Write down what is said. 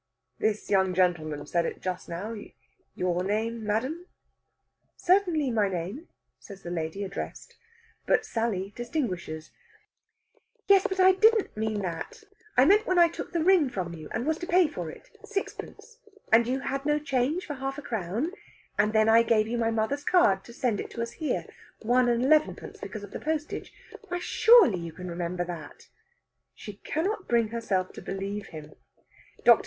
"This young gentleman said it just now. Your name, madame?" "Certainly, my name," says the lady addressed. But Sally distinguishes: "Yes, but I didn't mean that. I meant when I took the ring from you, and was to pay for it. Sixpence. And you had no change for half a crown. And then I gave you my mother's card to send it to us here. One and elevenpence, because of the postage. Why, surely you can remember that!" She cannot bring herself to believe him. Dr.